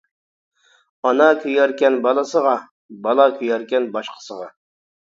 ئانا كۆيەركەن بالىسىغا، بالا كۆيەركەن باشقىسىغا.